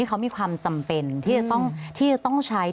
เขามีความจำเป็นที่จะต้องใช้